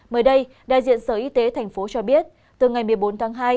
mới đây đại diện sở y tế tp cho biết từ ngày một mươi bốn tháng hai